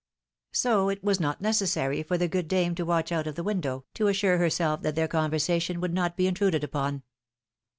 So it was not necessary for the good dame to watch out of the window, to assure herself that their conversation would not be intruded upon.